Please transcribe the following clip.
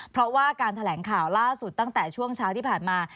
เพราะว่าการแถลงข่าวล่าสุดตั้งแต่ช่วงเช้าที่ผ่านมา